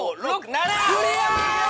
７！クリア！